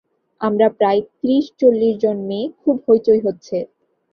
আমরা প্রায় ত্রিশ-চল্লিশ জন মেয়ে, খুব হৈচৈ হচ্ছে।